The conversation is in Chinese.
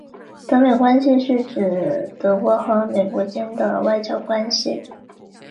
德美关系是指德国和美国间的外交关系。